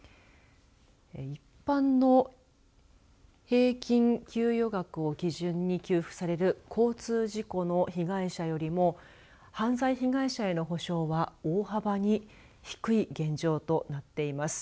一般の平均給与額を基準に給付される交通事故の被害者よりも犯罪被害者への補償は、大幅に低い現状となっています。